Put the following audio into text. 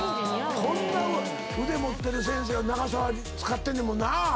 こんな腕持ってる先生を長澤使ってんねんもんなぁ。